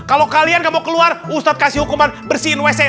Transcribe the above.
kalau kalian gak mau keluar ustadz kasih hukuman bersihin wc